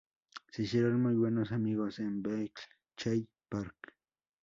Se hicieron muy buenos amigos en Bletchley Park.